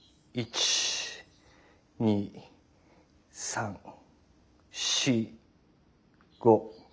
１２３４５。